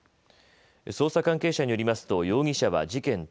捜査関係者によりますと容疑者は事件